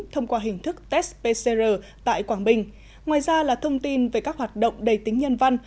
thông qua hình thức test pcr tại quảng bình ngoài ra là thông tin về các hoạt động đầy tính nhân văn